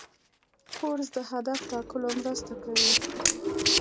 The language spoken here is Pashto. کورس د هدف ټاکلو مرسته کوي.